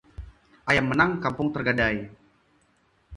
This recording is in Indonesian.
Ayam menang kampung tergadai